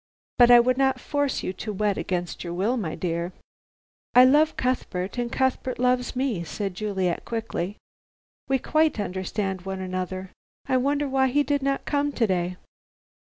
But I would not force you to wed against your will, my dear." "I love Cuthbert and Cuthbert loves me," said Juliet quickly, "we quite understand one another. I wonder why he did not come to day."